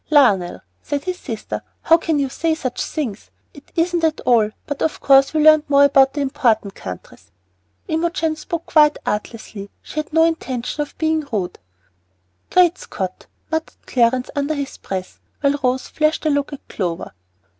"Lionel," said his sister, "how can you say such things? It isn't so at all; but of course we learned more about the important countries." Imogen spoke quite artlessly; she had no intention of being rude. "Great Scott!" muttered Clarence under his breath, while Rose flashed a look at Clover.